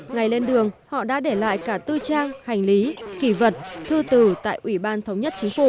ngày lên đường họ đã để lại cả tư trang hành lý kỷ vật thư tử tại ubnd